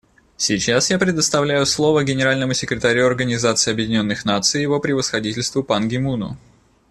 Сейчас я предоставляю слово Генеральному секретарю Организации Объединенных Наций Его Превосходительству Пан Ги Муну.